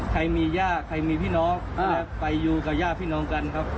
ใครมีย่าใครมีพี่น้องไปอยู่กับย่าพี่น้องกันครับ